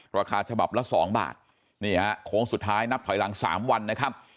ราคาฉบับละ๒บาทนี่ฮะโค้งสุดท้ายนับถอยหลัง๓วันนะครับ